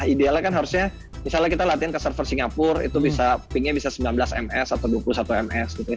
idealnya kan harusnya misalnya kita latihan ke server singapura itu bisa pinknya bisa sembilan belas ms atau dua puluh satu ms gitu